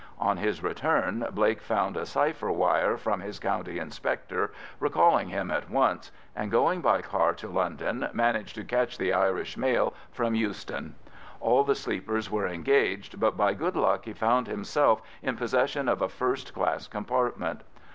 On his return Blake found a cipher wire from his County Inspector recalling him at once, and going by car to London managed to catch the Irish mail from Euston. All the sleepers were engaged, but by good luck he found himself in possession of a first class compartment.